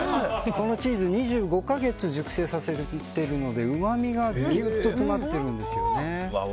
このチーズは２５か月熟成させているのでうまみがギュッと詰まってるんですよね。